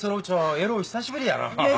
えろう久しぶりやな。